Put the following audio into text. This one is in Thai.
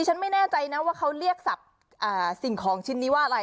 ฉันไม่แน่ใจนะว่าเขาเรียกศัพท์สิ่งของชิ้นนี้ว่าอะไร